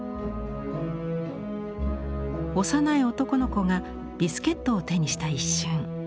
幼い男の子がビスケットを手にした一瞬。